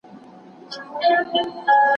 هورمونونه د بدن په بېلابېلو برخو کې سفر کوي.